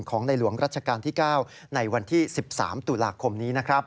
ในหลวงรัชกาลที่๙ในวันที่๑๓ตุลาคมนี้นะครับ